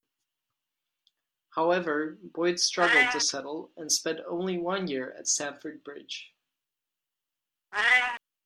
However, Boyd struggled to settle and spent only one year at Stamford Bridge.